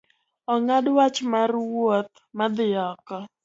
Ong’ad wach mar wuoth madhi oko